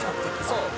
そう。